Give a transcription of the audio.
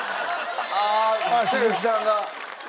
ああ鈴木さんが。